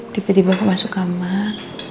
tiba tiba masuk kamar